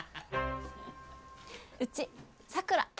「うちさくら」